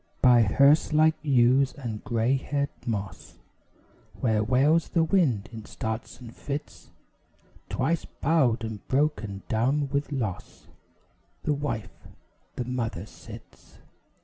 By hearse like yews and grey haired moss, Where wails the wind in starts and fits, Twice bowed and broken down with loss, The wife, the mother sits.